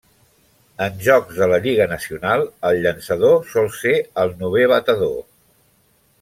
En jocs de la Lliga Nacional el llançador sol ser el novè batedor.